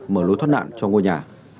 mở lối thoát nạn cho ngôi nhà